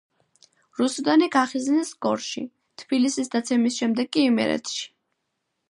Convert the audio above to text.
რუსუდანი გახიზნეს გორში, თბილისის დაცემის შემდეგ კი იმერეთში.